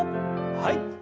はい。